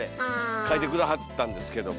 かいて下はったんですけども。